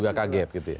juga kaget gitu ya